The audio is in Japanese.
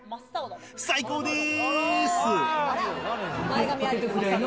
最高です！